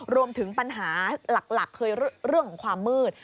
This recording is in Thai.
รวมถึงปัญหาหลักคือเรื่องของความมืด